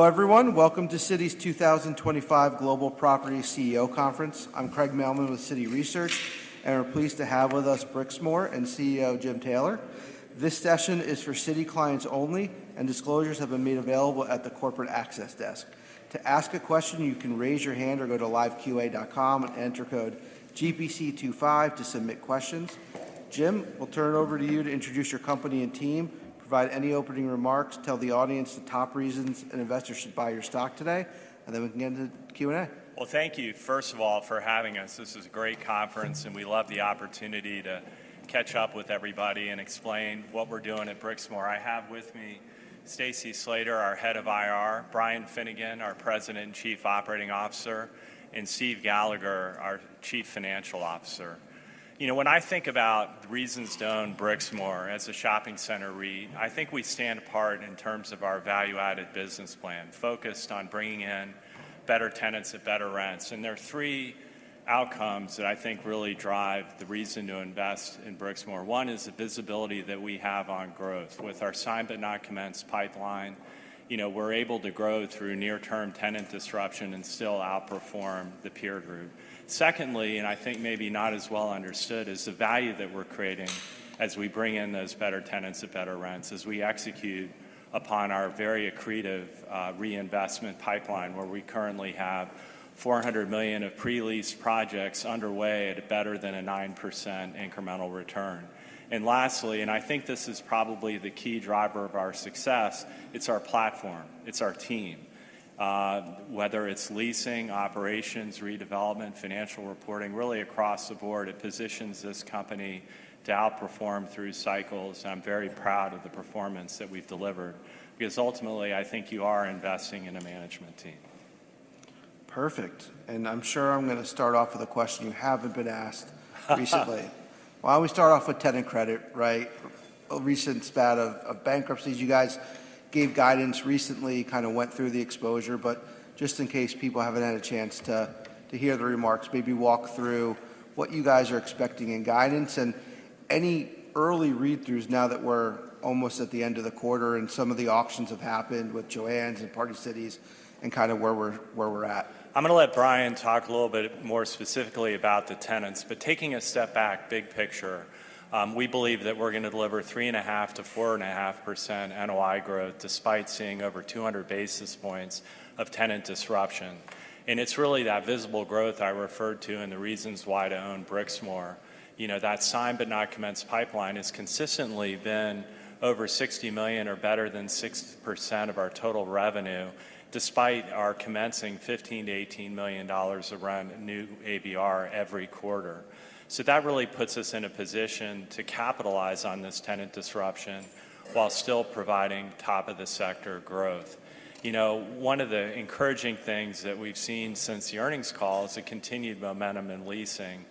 Hello, everyone. Welcome to Citi's 2025 Global Property CEO Conference. I'm Craig Mailman with Citi Research, and we're pleased to have with us Brixmor and CEO Jim Taylor. This session is for Citi clients only, and disclosures have been made available at the corporate access desk. To ask a question, you can raise your hand or go to liveqa.com and enter code GPC25 to submit questions. Jim, we'll turn it over to you to introduce your company and team, provide any opening remarks, tell the audience the top reasons investors should buy your stock today, and then we can get into Q&A. Thank you, first of all, for having us. This is a great conference, and we love the opportunity to catch up with everybody and explain what we're doing at Brixmor. I have with me Stacy Slater, our head of IR, Brian Finnegan, our President and Chief Operating Officer, and Steve Gallagher, our Chief Financial Officer. You know, when I think about the reasons to own Brixmor as a shopping center REIT, I think we stand apart in terms of our value-added business plan, focused on bringing in better tenants at better rents. There are three outcomes that I think really drive the reason to invest in Brixmor. One is the visibility that we have on growth. With our sign-but-not-commence pipeline, you know, we're able to grow through near-term tenant disruption and still outperform the peer group. Secondly, and I think maybe not as well understood, is the value that we're creating as we bring in those better tenants at better rents, as we execute upon our very accretive reinvestment pipeline, where we currently have $400 million of pre-leased projects underway at a better than a 9% incremental return. And lastly, and I think this is probably the key driver of our success, it's our platform, it's our team. Whether it's leasing, operations, redevelopment, financial reporting, really across the board, it positions this company to outperform through cycles. And I'm very proud of the performance that we've delivered because ultimately, I think you are investing in a management team. Perfect. And I'm sure I'm going to start off with a question you haven't been asked recently. Well, I always start off with tenant credit, right? A recent spate of bankruptcies. You guys gave guidance recently, kind of went through the exposure. But just in case people haven't had a chance to hear the remarks, maybe walk through what you guys are expecting in guidance and any early read-throughs now that we're almost at the end of the quarter and some of the auctions have happened with Joann's and Party City's and kind of where we're at. I'm going to let Brian talk a little bit more specifically about the tenants. But taking a step back, big picture, we believe that we're going to deliver 3.5%-4.5% NOI growth despite seeing over 200 basis points of tenant disruption. And it's really that visible growth I referred to and the reasons why to own Brixmor. You know, that sign-but-not-commence pipeline has consistently been over $60 million or better than 6% of our total revenue, despite our commencing $15 million-$18 million of new ABR every quarter. So that really puts us in a position to capitalize on this tenant disruption while still providing top-of-the-sector growth. You know, one of the encouraging things that we've seen since the earnings call is a continued momentum in leasing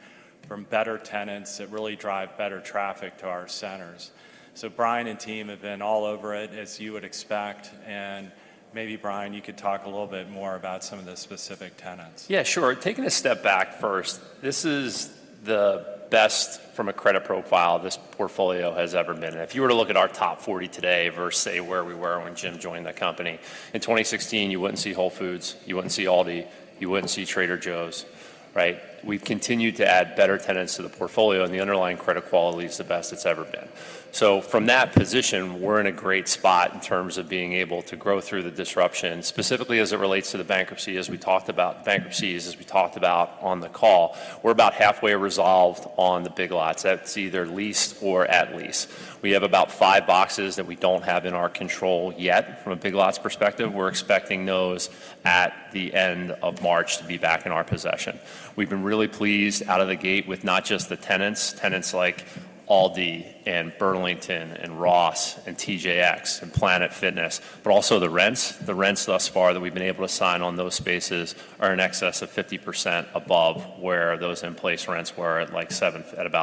from better tenants that really drive better traffic to our centers. So Brian and team have been all over it, as you would expect. And maybe, Brian, you could talk a little bit more about some of the specific tenants. Yeah, sure. Taking a step back first, this is the best from a credit profile this portfolio has ever been. And if you were to look at our top 40 today versus, say, where we were when Jim joined the company, in 2016, you wouldn't see Whole Foods, you wouldn't see Aldi, you wouldn't see Trader Joe's, right? We've continued to add better tenants to the portfolio, and the underlying credit quality is the best it's ever been. So from that position, we're in a great spot in terms of being able to grow through the disruption, specifically as it relates to the bankruptcy, as we talked about, bankruptcies, as we talked about on the call. We're about halfway resolved on the Big Lots. That's either leased or at least. We have about five boxes that we don't have in our control yet from a Big Lots perspective. We're expecting those at the end of March to be back in our possession. We've been really pleased out of the gate with not just the tenants, tenants like Aldi and Burlington and Ross and TJX and Planet Fitness, but also the rents. The rents thus far that we've been able to sign on those spaces are in excess of 50% above where those in-place rents were about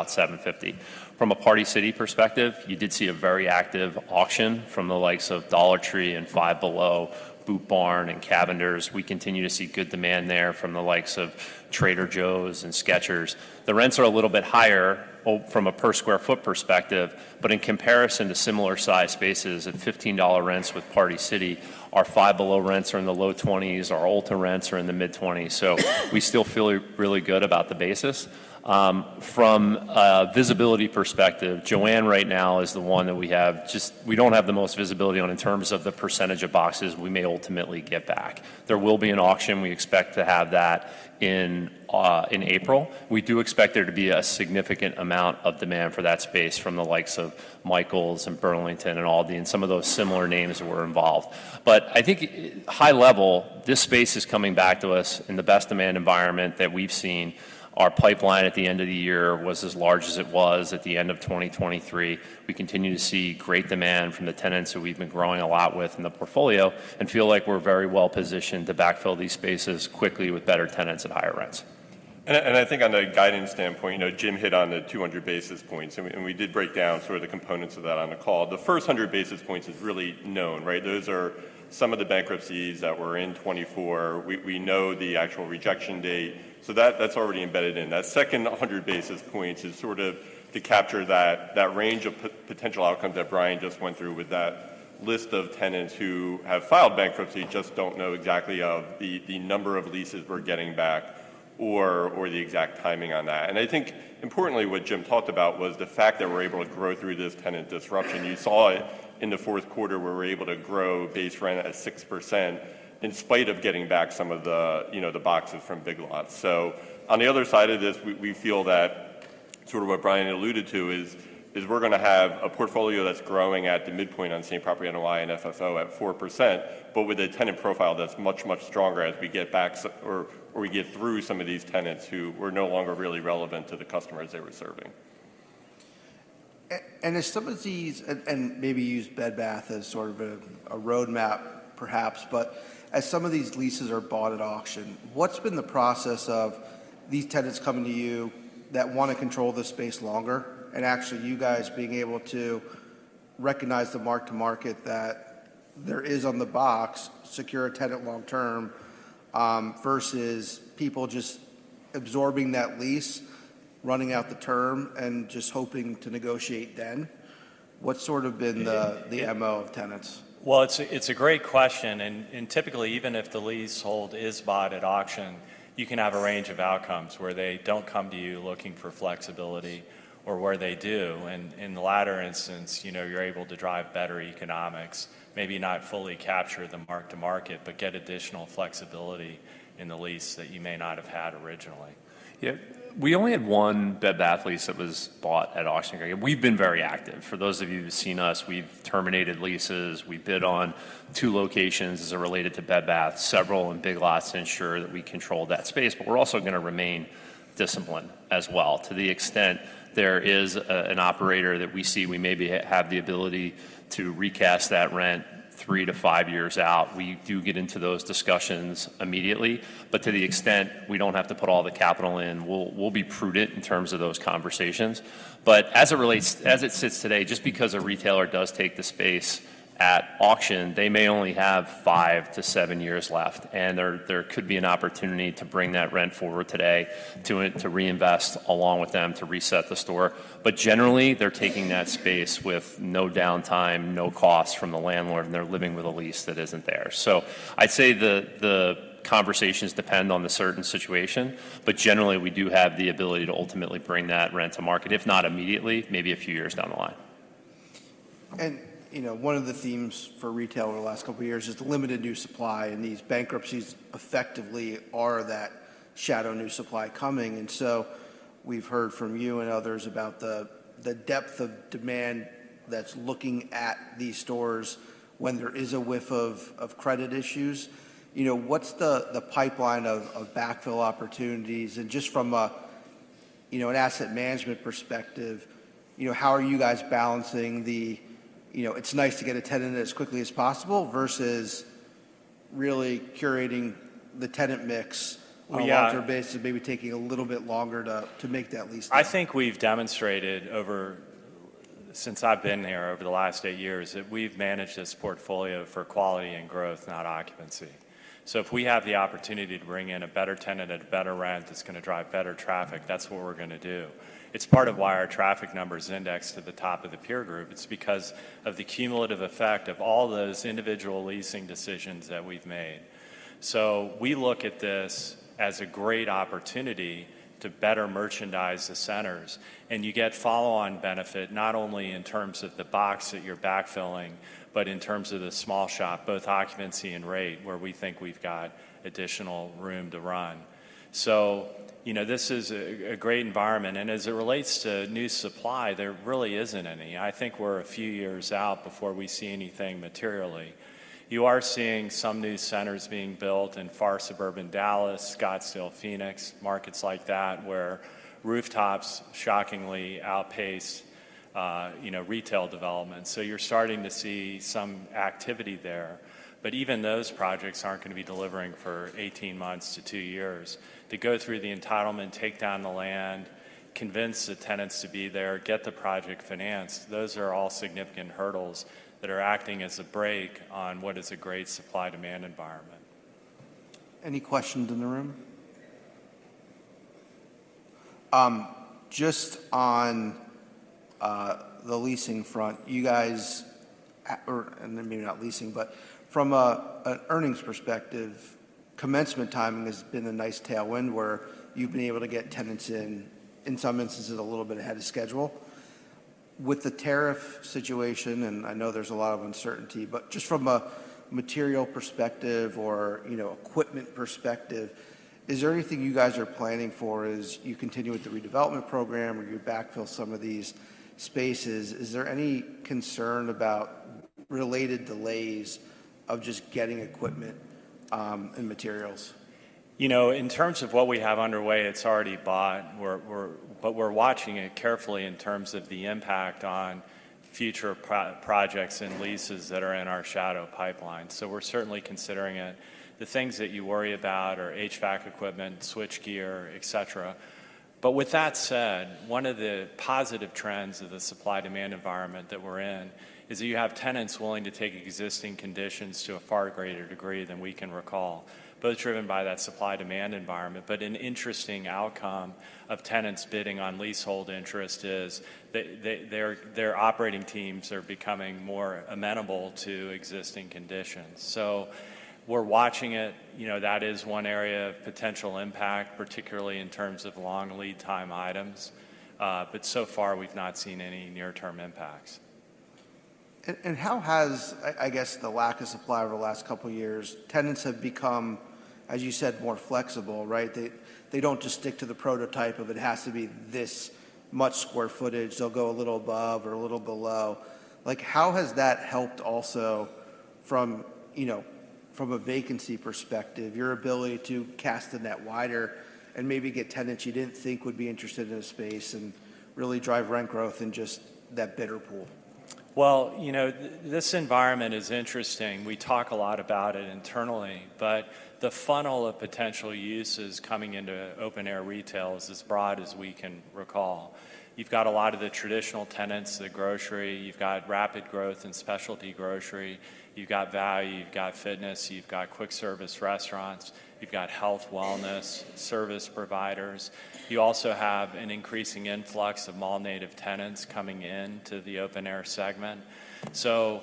750. From a Party City perspective, you did see a very active auction from the likes of Dollar Tree and Five Below, Boot Barn, and Cavender's. We continue to see good demand there from the likes of Trader Joe's and Skechers. The rents are a little bit higher from a per square foot perspective, but in comparison to similar-sized spaces at $15 rents with Party City, our Five Below rents are in the low 20s, our Ulta rents are in the mid-20s. So we still feel really good about the basis. From a visibility perspective, Joann right now is the one that we have. Just we don't have the most visibility on in terms of the percentage of boxes we may ultimately get back. There will be an auction. We expect to have that in April. We do expect there to be a significant amount of demand for that space from the likes of Michaels and Burlington and Aldi and some of those similar names that were involved. But I think high level, this space is coming back to us in the best demand environment that we've seen. Our pipeline at the end of the year was as large as it was at the end of 2023. We continue to see great demand from the tenants that we've been growing a lot with in the portfolio and feel like we're very well positioned to backfill these spaces quickly with better tenants at higher rents. I think on a guidance standpoint, you know, Jim hit on the 200 basis points, and we did break down sort of the components of that on the call. The first 100 basis points is really known, right? Those are some of the bankruptcies that were in 2024. We know the actual rejection date. So that's already embedded in. That second 100 basis points is sort of to capture that range of potential outcomes that Brian just went through with that list of tenants who have filed bankruptcy, just don't know exactly of the number of leases we're getting back or the exact timing on that. I think importantly, what Jim talked about was the fact that we're able to grow through this tenant disruption. You saw it in the fourth quarter where we were able to grow base rent at 6% in spite of getting back some of the, you know, the boxes from Big Lots. So on the other side of this, we feel that sort of what Brian alluded to is we're going to have a portfolio that's growing at the midpoint on same property NOI and FFO at 4%, but with a tenant profile that's much, much stronger as we get back or we get through some of these tenants who were no longer really relevant to the customers they were serving. And as some of these, and maybe use Bed Bath as sort of a roadmap, perhaps, but as some of these leases are bought at auction, what's been the process of these tenants coming to you that want to control this space longer and actually you guys being able to recognize the mark-to-market that there is on the box, secure a tenant long-term versus people just absorbing that lease, running out the term, and just hoping to negotiate then? What's sort of been the MO of tenants? It's a great question. Typically, even if the leasehold is bought at auction, you can have a range of outcomes where they don't come to you looking for flexibility or where they do. In the latter instance, you know, you're able to drive better economics, maybe not fully capture the mark-to-market, but get additional flexibility in the lease that you may not have had originally. Yeah, we only had one Bed Bath & Beyond lease that was bought at auction. We've been very active. For those of you who've seen us, we've terminated leases. We bid on two locations as it related to Bed Bath & Beyond, several in Big Lots, to ensure that we control that space. But we're also going to remain disciplined as well to the extent there is an operator that we see we maybe have the ability to recast that rent 3-5 years out. We do get into those discussions immediately. But to the extent we don't have to put all the capital in, we'll be prudent in terms of those conversations. But as it relates, as it sits today, just because a retailer does take the space at auction, they may only have 5-7 years left, and there could be an opportunity to bring that rent forward today to reinvest along with them to reset the store. But generally, they're taking that space with no downtime, no cost from the landlord, and they're living with a lease that isn't there. So I'd say the conversations depend on the certain situation, but generally, we do have the ability to ultimately bring that rent to market, if not immediately, maybe a few years down the line. You know, one of the themes for retail over the last couple of years is the limited new supply, and these bankruptcies effectively are that shadow new supply coming. And so we've heard from you and others about the depth of demand that's looking at these stores when there is a whiff of credit issues. You know, what's the pipeline of backfill opportunities? And just from a, you know, an asset management perspective, you know, how are you guys balancing the, you know, it's nice to get a tenant as quickly as possible versus really curating the tenant mix on a larger basis, maybe taking a little bit longer to make that lease? I think we've demonstrated over, since I've been here over the last eight years, that we've managed this portfolio for quality and growth, not occupancy. So if we have the opportunity to bring in a better tenant at a better rent that's going to drive better traffic, that's what we're going to do. It's part of why our traffic number is indexed to the top of the peer group. It's because of the cumulative effect of all those individual leasing decisions that we've made. So we look at this as a great opportunity to better merchandise the centers, and you get follow-on benefit not only in terms of the box that you're backfilling, but in terms of the small shop, both occupancy and rate, where we think we've got additional room to run. So, you know, this is a great environment. As it relates to new supply, there really isn't any. I think we're a few years out before we see anything materially. You are seeing some new centers being built in far suburban Dallas, Scottsdale, Phoenix, markets like that where rooftops shockingly outpace, you know, retail development. You're starting to see some activity there. Even those projects aren't going to be delivering for 18 months to two years. To go through the entitlement, take down the land, convince the tenants to be there, get the project financed, those are all significant hurdles that are acting as a brake on what is a great supply-demand environment. Any questions in the room? Just on the leasing front, you guys, or maybe not leasing, but from an earnings perspective, commencement timing has been a nice tailwind where you've been able to get tenants in, in some instances, a little bit ahead of schedule. With the tariff situation, and I know there's a lot of uncertainty, but just from a material perspective or, you know, equipment perspective, is there anything you guys are planning for as you continue with the redevelopment program or you backfill some of these spaces? Is there any concern about related delays of just getting equipment and materials? You know, in terms of what we have underway, it's already bought, but we're watching it carefully in terms of the impact on future projects and leases that are in our shadow pipeline. So we're certainly considering it. The things that you worry about are HVAC equipment, switchgear, et cetera. But with that said, one of the positive trends of the supply-demand environment that we're in is that you have tenants willing to take existing conditions to a far greater degree than we can recall, both driven by that supply-demand environment. But an interesting outcome of tenants bidding on leasehold interest is that their operating teams are becoming more amenable to existing conditions. So we're watching it. You know, that is one area of potential impact, particularly in terms of long lead time items. But so far, we've not seen any near-term impacts. How has, I guess, the lack of supply over the last couple of years, tenants have become, as you said, more flexible, right? They don't just stick to the prototype of it has to be this much square footage. They'll go a little above or a little below. Like, how has that helped also from, you know, from a vacancy perspective, your ability to cast a net wider and maybe get tenants you didn't think would be interested in a space and really drive rent growth in just that bidder pool? You know, this environment is interesting. We talk a lot about it internally, but the funnel of potential uses coming into open-air retail is as broad as we can recall. You've got a lot of the traditional tenants, the grocery. You've got rapid growth and specialty grocery. You've got value. You've got fitness. You've got quick-service restaurants. You've got health, wellness service providers. You also have an increasing influx of mall-native tenants coming into the open-air segment. So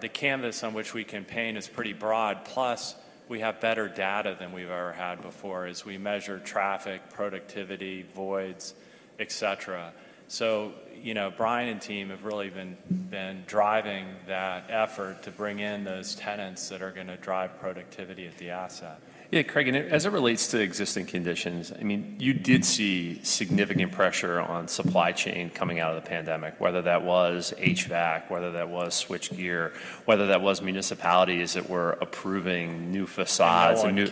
the canvas on which we campaign is pretty broad. Plus, we have better data than we've ever had before as we measure traffic, productivity, voids, et cetera. So, you know, Brian and team have really been driving that effort to bring in those tenants that are going to drive productivity at the asset. Yeah, Craig, and as it relates to existing conditions, I mean, you did see significant pressure on supply chain coming out of the pandemic, whether that was HVAC, whether that was switchgear, whether that was municipalities that were approving new facades or new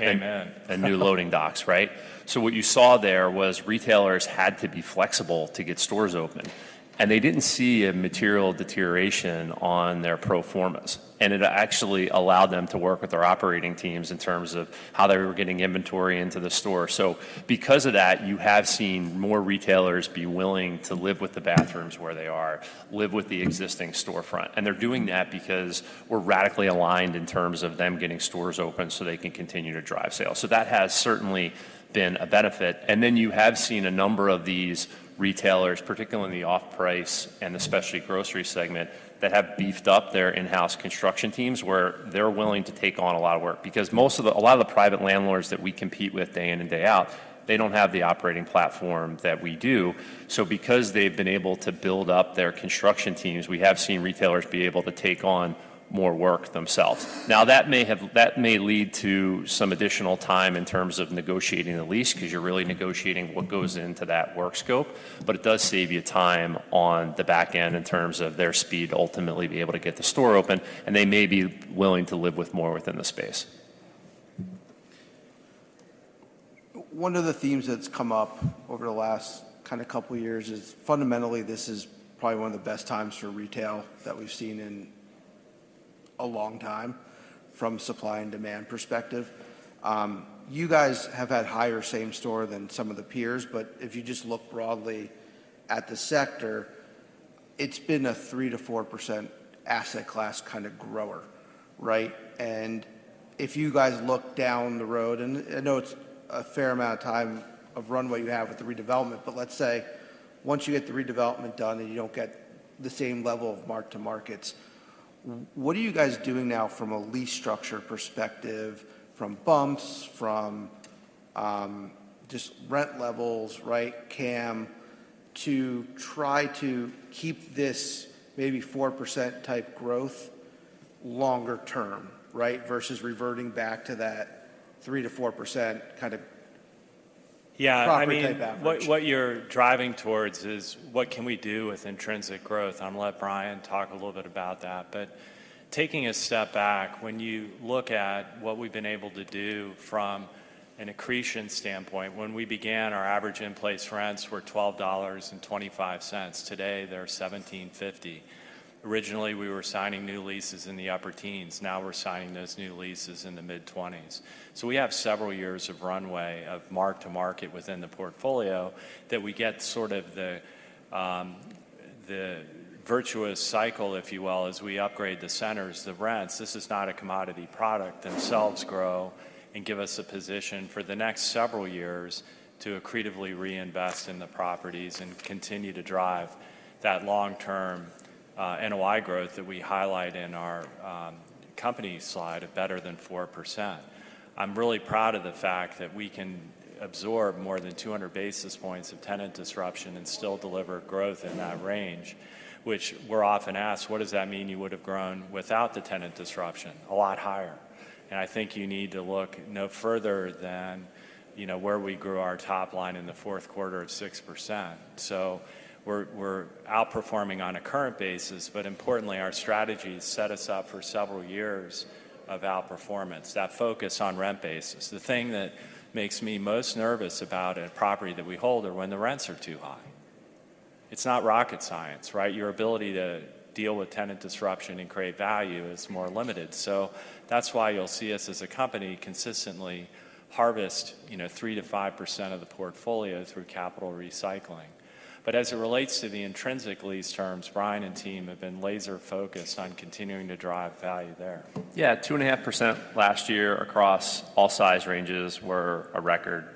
loading docks, right? So what you saw there was retailers had to be flexible to get stores open, and they didn't see a material deterioration on their pro formas. And it actually allowed them to work with their operating teams in terms of how they were getting inventory into the store. So because of that, you have seen more retailers be willing to live with the bathrooms where they are, live with the existing storefront. And they're doing that because we're radically aligned in terms of them getting stores open so they can continue to drive sales. So that has certainly been a benefit. You have seen a number of these retailers, particularly in the off-price and the specialty grocery segment, that have beefed up their in-house construction teams where they're willing to take on a lot of work because most of the private landlords that we compete with day in and day out, they don't have the operating platform that we do. So because they've been able to build up their construction teams, we have seen retailers be able to take on more work themselves. Now, that may lead to some additional time in terms of negotiating the lease because you're really negotiating what goes into that work scope. But it does save you time on the back end in terms of their speed to ultimately be able to get the store open, and they may be willing to live with more within the space. One of the themes that's come up over the last kind of couple of years is fundamentally, this is probably one of the best times for retail that we've seen in a long time from a supply and demand perspective. You guys have had higher same store than some of the peers, but if you just look broadly at the sector, it's been a 3%-4% asset class kind of grower, right? If you guys look down the road, and I know it's a fair amount of time of runway you have with the redevelopment, but let's say once you get the redevelopment done and you don't get the same level of mark-to-markets, what are you guys doing now from a lease structure perspective, from bumps, from just rent levels, right, CAM, to try to keep this maybe 4% type growth longer term, right, versus reverting back to that 3%-4% kind of property type average? Yeah, I mean, what you're driving towards is what can we do with intrinsic growth? I'm going to let Brian talk a little bit about that, but taking a step back, when you look at what we've been able to do from an accretion standpoint, when we began, our average in-place rents were $12.25. Today, they're $17.50. Originally, we were signing new leases in the upper teens. Now we're signing those new leases in the mid-20s, so we have several years of runway of mark-to-market within the portfolio that we get sort of the virtuous cycle, if you will, as we upgrade the centers and the rents. This is not a commodity product. The rents themselves grow and give us a position for the next several years to accretively reinvest in the properties and continue to drive that long-term NOI growth that we highlight in our company slide of better than 4%. I'm really proud of the fact that we can absorb more than 200 basis points of tenant disruption and still deliver growth in that range, which we're often asked, what does that mean you would have grown without the tenant disruption? A lot higher, and I think you need to look no further than, you know, where we grew our top line in the fourth quarter of 6%, so we're outperforming on a current basis, but importantly, our strategies set us up for several years of outperformance, that focus on rent basis. The thing that makes me most nervous about a property that we hold are when the rents are too high. It's not rocket science, right? Your ability to deal with tenant disruption and create value is more limited. So that's why you'll see us as a company consistently harvest, you know, 3%-5% of the portfolio through capital recycling. But as it relates to the intrinsic lease terms, Brian and team have been laser-focused on continuing to drive value there. Yeah, 2.5% last year across all size ranges were a record.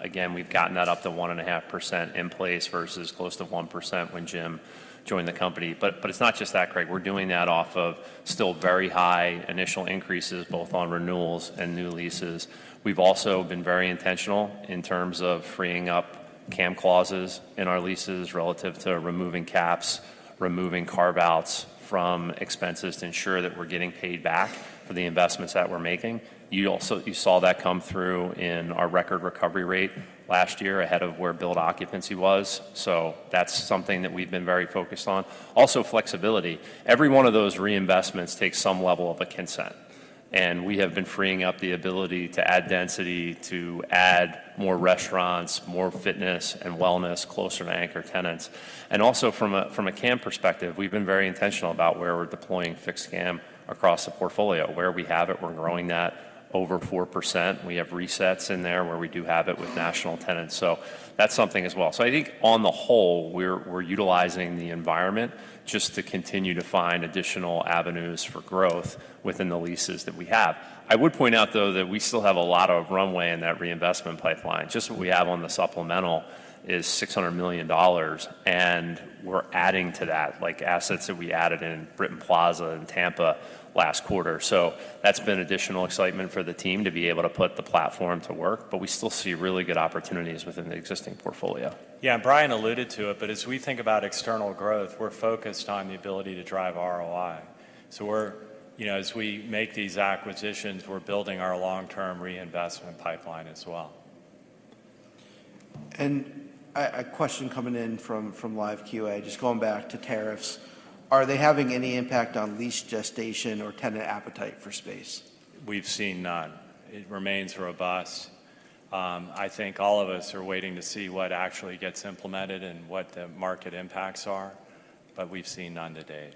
Again, we've gotten that up to 1.5% in place versus close to 1% when Jim joined the company. But it's not just that, Craig. We're doing that off of still very high initial increases, both on renewals and new leases. We've also been very intentional in terms of freeing up CAM clauses in our leases relative to removing caps, removing carve-outs from expenses to ensure that we're getting paid back for the investments that we're making. You also saw that come through in our record recovery rate last year ahead of where billed occupancy was. So that's something that we've been very focused on. Also, flexibility. Every one of those reinvestments takes some level of a consent. We have been freeing up the ability to add density, to add more restaurants, more fitness and wellness closer to anchor tenants. And also from a CAM perspective, we've been very intentional about where we're deploying fixed CAM across the portfolio. Where we have it, we're growing that over 4%. We have resets in there where we do have it with national tenants. So that's something as well. So I think on the whole, we're utilizing the environment just to continue to find additional avenues for growth within the leases that we have. I would point out, though, that we still have a lot of runway in that reinvestment pipeline. Just what we have on the supplemental is $600 million, and we're adding to that, like assets that we added in Britton Plaza in Tampa last quarter. So that's been additional excitement for the team to be able to put the platform to work. But we still see really good opportunities within the existing portfolio. Yeah, Brian alluded to it, but as we think about external growth, we're focused on the ability to drive ROI, so we're, you know, as we make these acquisitions, we're building our long-term reinvestment pipeline as well. A question coming in from LiveQA, just going back to tariffs. Are they having any impact on lease gestation or tenant appetite for space? We've seen none. It remains robust. I think all of us are waiting to see what actually gets implemented and what the market impacts are, but we've seen none to date.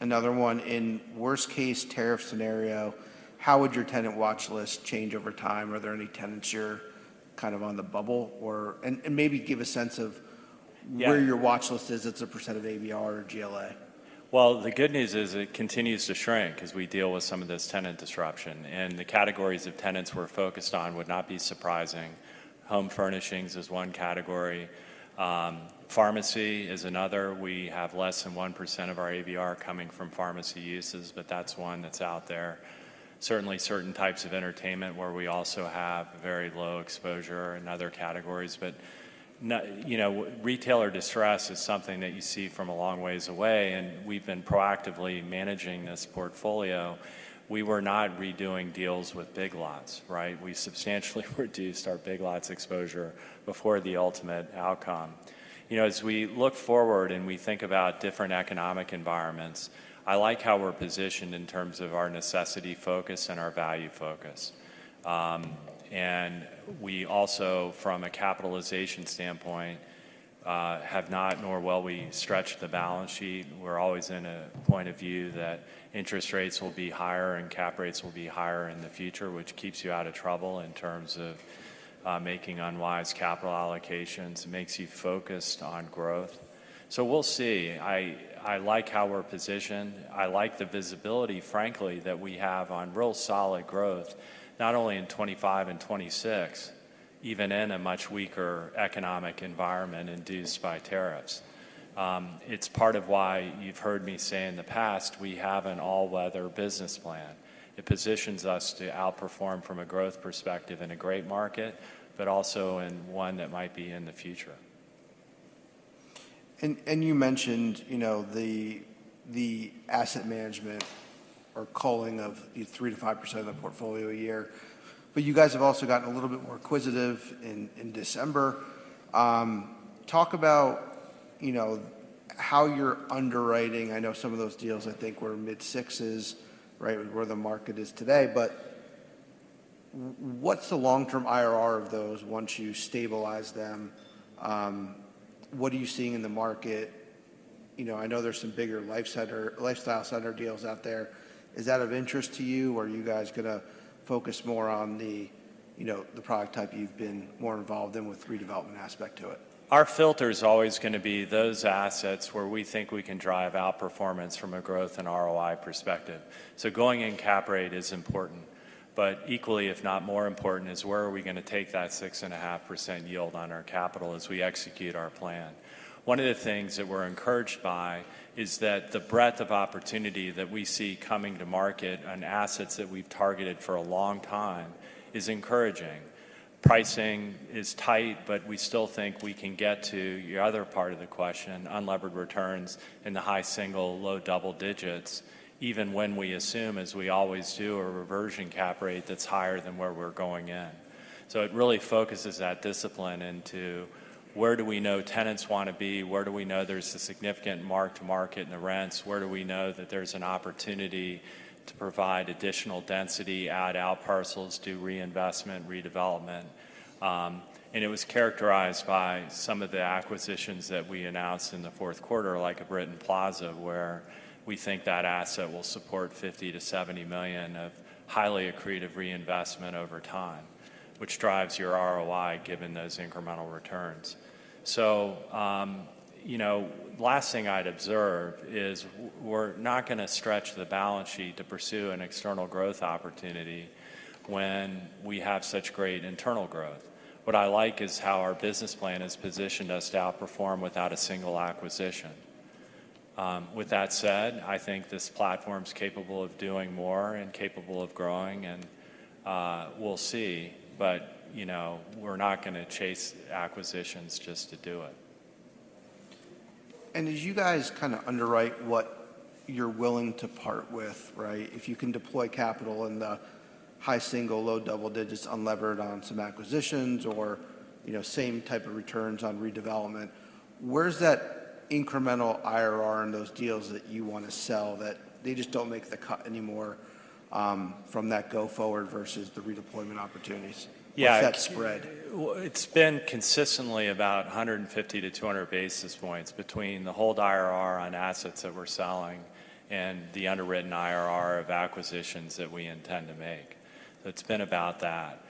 Another one, in worst-case tariff scenario, how would your tenant watch list change over time? Are there any tenants you're kind of on the bubble or, and maybe give a sense of where your watch list is, it's a percent of ABR or GLA? The good news is it continues to shrink as we deal with some of this tenant disruption. The categories of tenants we're focused on would not be surprising. Home furnishings is one category. Pharmacy is another. We have less than 1% of our ABR coming from pharmacy uses, but that's one that's out there. Certainly, certain types of entertainment where we also have very low exposure and other categories. You know, retailer distress is something that you see from a long ways away, and we've been proactively managing this portfolio. We were not redoing deals with Big Lots, right? We substantially reduced our Big Lots exposure before the ultimate outcome. You know, as we look forward and we think about different economic environments, I like how we're positioned in terms of our necessity focus and our value focus. And we also, from a capitalization standpoint, have not nor will we stretch the balance sheet. We're always in a point of view that interest rates will be higher and cap rates will be higher in the future, which keeps you out of trouble in terms of making unwise capital allocations. It makes you focused on growth. So we'll see. I like how we're positioned. I like the visibility, frankly, that we have on real solid growth, not only in 2025 and 2026, even in a much weaker economic environment induced by tariffs. It's part of why you've heard me say in the past, we have an all-weather business plan. It positions us to outperform from a growth perspective in a great market, but also in one that might be in the future. You mentioned, you know, the asset management or culling of the 3%-5% of the portfolio a year, but you guys have also gotten a little bit more acquisitive in December. Talk about, you know, how you're underwriting. I know some of those deals, I think, were mid-sixes, right, where the market is today. But what's the long-term IRR of those once you stabilize them? What are you seeing in the market? You know, I know there's some bigger lifestyle center deals out there. Is that of interest to you? Are you guys going to focus more on the, you know, the product type you've been more involved in with redevelopment aspect to it? Our filter is always going to be those assets where we think we can drive outperformance from a growth and ROI perspective. So going in cap rate is important, but equally, if not more important, is where are we going to take that 6.5% yield on our capital as we execute our plan? One of the things that we're encouraged by is that the breadth of opportunity that we see coming to market on assets that we've targeted for a long time is encouraging. Pricing is tight, but we still think we can get to your other part of the question, unlevered returns in the high single, low double digits, even when we assume, as we always do, a reversion cap rate that's higher than where we're going in. So it really focuses that discipline into where do we know tenants want to be? Where do we know there's a significant mark-to-market in the rents? Where do we know that there's an opportunity to provide additional density, add outparcels, do reinvestment, redevelopment? And it was characterized by some of the acquisitions that we announced in the fourth quarter, like a Britton Plaza, where we think that asset will support $50 million-$70 million of highly accretive reinvestment over time, which drives your ROI given those incremental returns. So, you know, last thing I'd observe is we're not going to stretch the balance sheet to pursue an external growth opportunity when we have such great internal growth. What I like is how our business plan has positioned us to outperform without a single acquisition. With that said, I think this platform's capable of doing more and capable of growing, and we'll see. But, you know, we're not going to chase acquisitions just to do it. As you guys kind of underwrite what you're willing to part with, right, if you can deploy capital in the high single, low double digits, unlevered on some acquisitions or, you know, same type of returns on redevelopment, where's that incremental IRR in those deals that you want to sell that they just don't make the cut anymore from that go forward versus the redeployment opportunities? What's that spread? It's been consistently about 150-200 basis points between the hold IRR on assets that we're selling and the underwritten IRR of acquisitions that we intend to make. So it's been about that.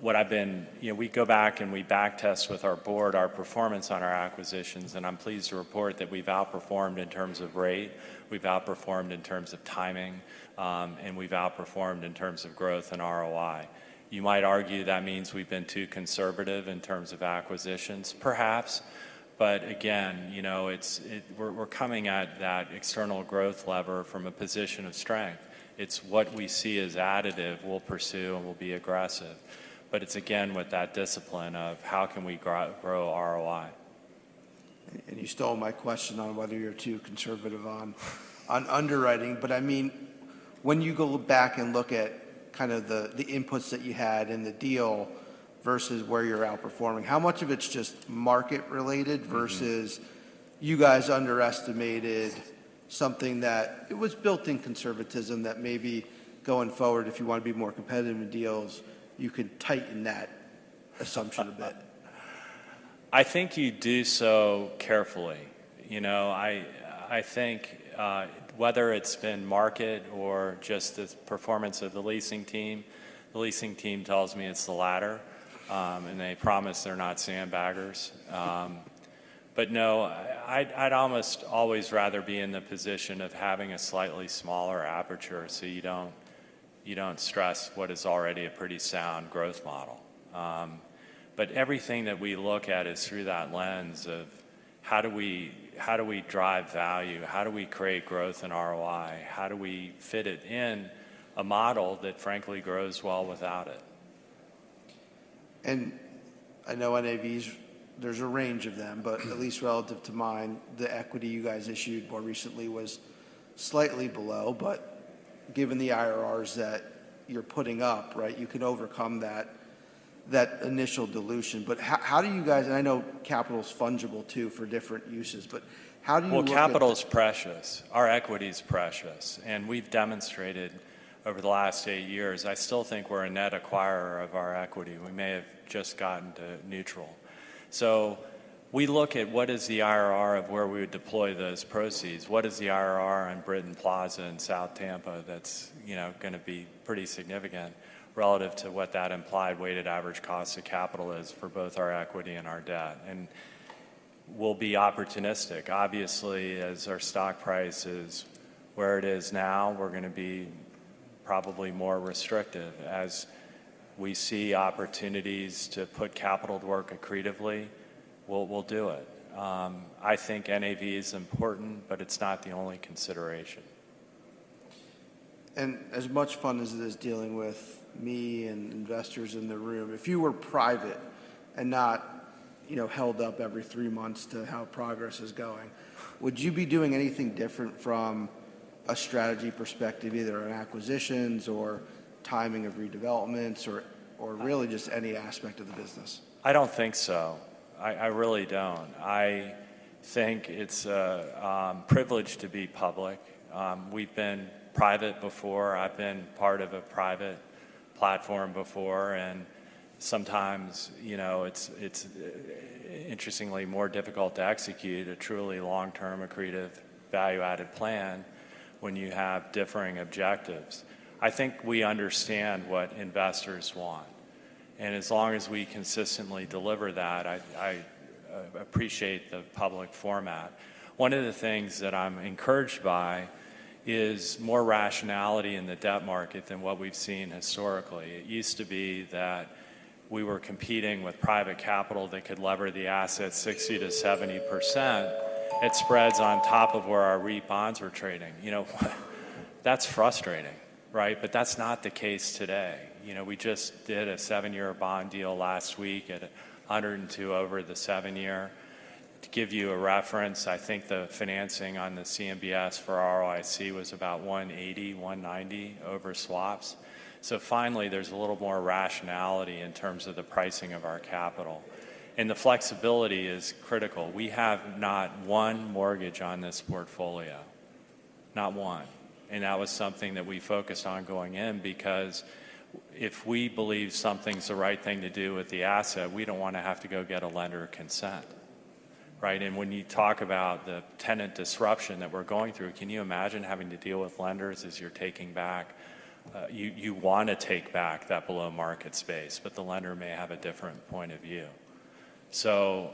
What I've been, you know, we go back and we backtest with our board our performance on our acquisitions, and I'm pleased to report that we've outperformed in terms of rate. We've outperformed in terms of timing, and we've outperformed in terms of growth and ROI. You might argue that means we've been too conservative in terms of acquisitions, perhaps. But again, you know, we're coming at that external growth lever from a position of strength. It's what we see as additive we'll pursue and we'll be aggressive. But it's again with that discipline of how can we grow ROI? And you stole my question on whether you're too conservative on underwriting, but I mean, when you go back and look at kind of the inputs that you had in the deal versus where you're outperforming, how much of it's just market-related versus you guys underestimated something that it was built in conservatism that maybe going forward, if you want to be more competitive in deals, you could tighten that assumption a bit? I think you do so carefully. You know, I think whether it's been market or just the performance of the leasing team, the leasing team tells me it's the latter, and they promise they're not sandbaggers. But no, I'd almost always rather be in the position of having a slightly smaller aperture so you don't stress what is already a pretty sound growth model. But everything that we look at is through that lens of how do we drive value, how do we create growth in ROI, how do we fit it in a model that frankly grows well without it? And I know NAVs, there's a range of them, but at least relative to mine, the equity you guys issued more recently was slightly below. But given the IRRs that you're putting up, right, you can overcome that initial dilution. But how do you guys, and I know capital's fungible too for different uses, but how do you look at that? Capital's precious. Our equity's precious. And we've demonstrated over the last eight years, I still think we're a net acquirer of our equity. We may have just gotten to neutral. So we look at what is the IRR of where we would deploy those proceeds. What is the IRR on Britton Plaza in South Tampa that's, you know, going to be pretty significant relative to what that implied weighted average cost of capital is for both our equity and our debt? And we'll be opportunistic. Obviously, as our stock price is where it is now, we're going to be probably more restrictive. As we see opportunities to put capital to work accretively, we'll do it. I think NAV is important, but it's not the only consideration. As much fun as it is dealing with me and investors in the room, if you were private and not, you know, held up every three months to how progress is going, would you be doing anything different from a strategy perspective, either on acquisitions or timing of redevelopments or really just any aspect of the business? I don't think so. I really don't. I think it's a privilege to be public. We've been private before. I've been part of a private platform before. And sometimes, you know, it's interestingly more difficult to execute a truly long-term accretive value-added plan when you have differing objectives. I think we understand what investors want. And as long as we consistently deliver that, I appreciate the public format. One of the things that I'm encouraged by is more rationality in the debt market than what we've seen historically. It used to be that we were competing with private capital that could lever the asset 60%-70%. It spreads on top of where our bonds were trading. You know, that's frustrating, right? But that's not the case today. You know, we just did a seven-year bond deal last week at 102 over the seven-year. To give you a reference, I think the financing on the CMBS for ROIC was about 180-190 over swaps, so finally, there's a little more rationality in terms of the pricing of our capital, and the flexibility is critical. We have not one mortgage on this portfolio, not one, and that was something that we focused on going in because if we believe something's the right thing to do with the asset, we don't want to have to go get a lender consent, right, and when you talk about the tenant disruption that we're going through, can you imagine having to deal with lenders as you're taking back? You want to take back that below market space, but the lender may have a different point of view, so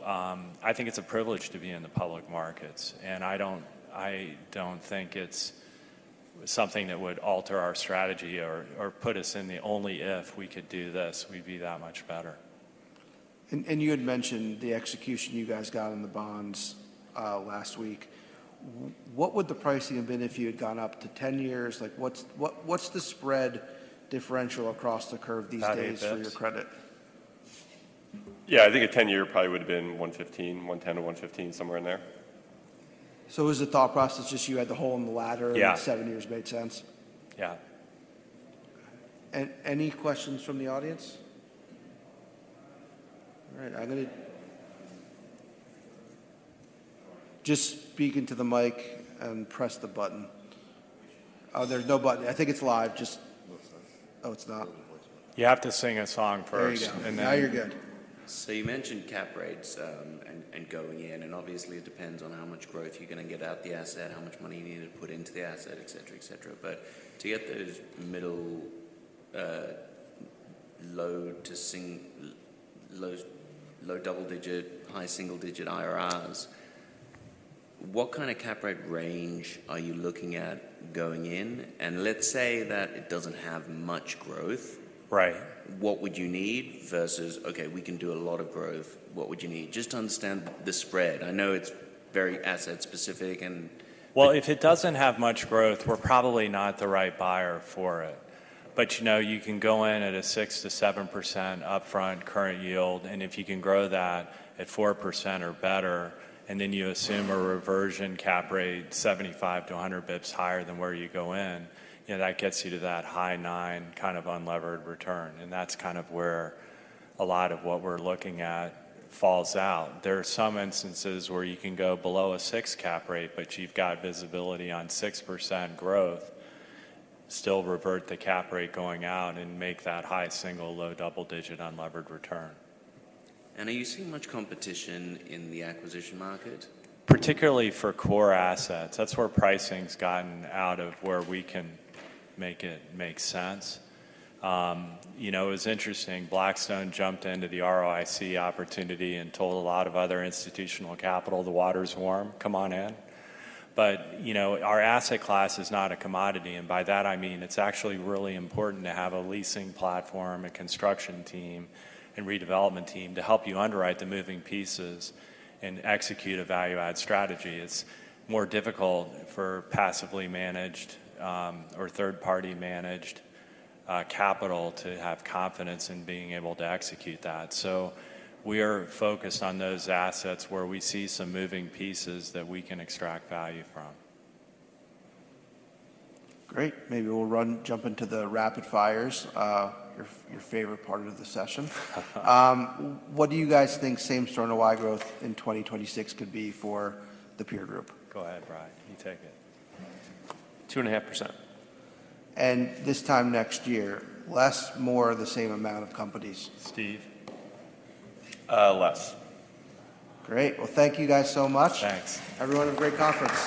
I think it's a privilege to be in the public markets. I don't think it's something that would alter our strategy or put us in the only if we could do this, we'd be that much better. And you had mentioned the execution you guys got on the bonds last week. What would the pricing have been if you had gone up to 10 years? Like what's the spread differential across the curve these days for your credit? Yeah, I think a 10-year probably would have been 115, 110-115, somewhere in there. So was the thought process just you had the hole in the ladder and the seven years made sense? Yeah. Any questions from the audience? All right. I'm going to just speak into the mic and press the button. Oh, there's no button. I think it's live. Just, oh, it's not. You have to sing a song first. There you go. Now you're good. So you mentioned cap rates and going in, and obviously it depends on how much growth you're going to get out of the asset, how much money you need to put into the asset, et cetera, et cetera. But to get those middle low to low double digit, high single digit IRRs, what kind of cap rate range are you looking at going in? And let's say that it doesn't have much growth. Right. What would you need versus, okay, we can do a lot of growth. What would you need? Just to understand the spread. I know it's very asset specific and. If it doesn't have much growth, we're probably not the right buyer for it. You know, you can go in at a 6%-7% upfront current yield. If you can grow that at 4% or better, and then you assume a reversion cap rate 75-100 basis points higher than where you go in, you know, that gets you to that high nine kind of unlevered return. That's kind of where a lot of what we're looking at falls out. There are some instances where you can go below a six cap rate, but you've got visibility on 6% growth, still revert the cap rate going out and make that high single, low double-digit unlevered return. Are you seeing much competition in the acquisition market? Particularly for core assets. That's where pricing's gotten out of whack where we can make it make sense. You know, it was interesting. Blackstone jumped into the ROIC opportunity and told a lot of other institutional capital, the water's warm, come on in. But, you know, our asset class is not a commodity. And by that, I mean it's actually really important to have a leasing platform, a construction team, and redevelopment team to help you underwrite the moving parts and execute a value-add strategy. It's more difficult for passively managed or third-party managed capital to have confidence in being able to execute that. So we are focused on those assets where we see some moving parts that we can extract value from. Great. Maybe we'll jump into the rapid fires, your favorite part of the session. What do you guys think same-store NOI growth in 2026 could be for the peer group? Go ahead, Brian. You take it. 2.5%. This time next year, less, more, the same amount of companies? Steve. Less. Great. Well, thank you guys so much. Thanks. Everyone, have a great conference.